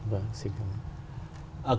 vâng xin cảm ơn